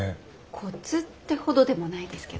コツってほどでもないですけど。